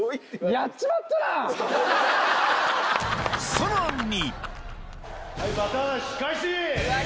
さらに！